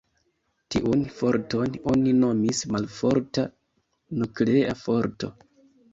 Tiun forton oni nomis malforta nuklea forto.